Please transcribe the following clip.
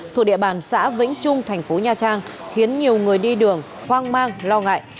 thuộc địa bàn xã vĩnh trung thành phố nha trang khiến nhiều người đi đường hoang mang lo ngại